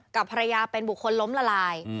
กับภรรยาเป็นบุคคลล้มละลาย